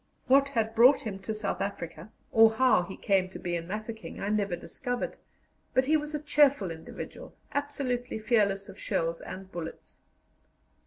What had brought him to South Africa, or how he came to be in Mafeking, I never discovered; but he was a cheerful individual, absolutely fearless of shells and bullets.